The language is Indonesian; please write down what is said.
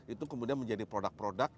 itu kemudian menjadi produk produk